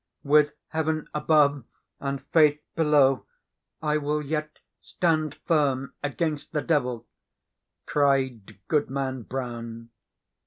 "With heaven above and Faith below, I will yet stand firm against the devil!" cried Goodman Brown.